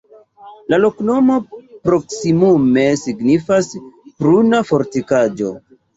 La loknomo proksimume signifas: pruna-fortikaĵo.